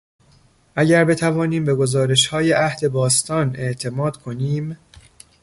اگر بتوانیم به گزارشهای عهد باستان اعتماد کنیم...